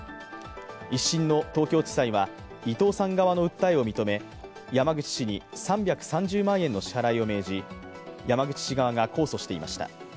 １審の東京地裁は伊藤さん側の訴えを認め山口氏に３３０万円の支払いを命じ山口氏側が控訴していました。